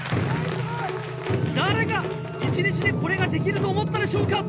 誰が一日でこれができると思ったでしょうか。